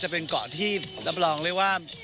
จะเป็นเกาะที่รับรองเลยว่า